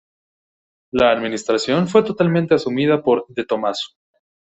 La administración fue totalmente asumida por De Tomaso.